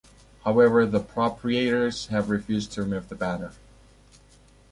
However, the proprietors have refused to remove the banner.